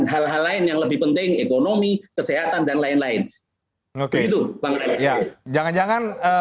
hal hal lain yang lebih penting ekonomi kesehatan dan lain lain oke itu bang rey jangan jangan